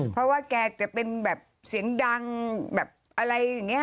เพราะว่าแกจะเป็นแบบเสียงดังแบบอะไรอย่างนี้